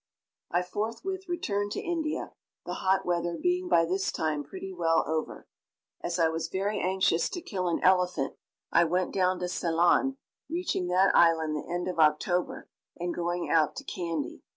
I forthwith returned to India, the hot weather being by this time pretty well over. As I was very anxious to kill an elephant, I went down to Ceylon, reaching that island the end of October and going out to Kandy.